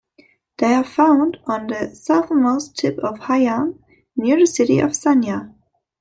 They are found on the southernmost tip of Hainan near the city of Sanya.